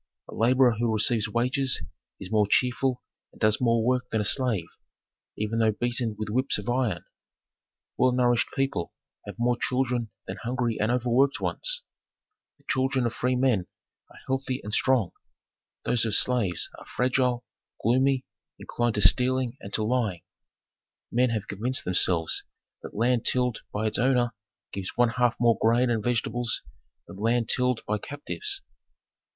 A laborer who receives wages is more cheerful and does more work than a slave, even though beaten with whips of iron. Well nourished people have more children than hungry and overworked ones; the children of free men are healthy and strong; those of slaves are fragile, gloomy, inclined to stealing and to lying. Men have convinced themselves that land tilled by its owner gives one half more grain and vegetables than land tilled by captives.